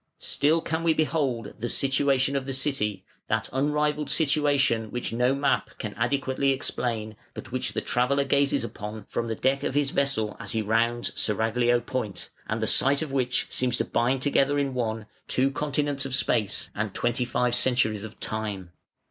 Still can we behold "the situation of the city", that unrivalled situation which no map can adequately explain, but which the traveller gazes upon from the deck of his vessel as he rounds Seraglio Point, and the sight of which seems to bind together in one, two continents of space and twenty five centuries of time.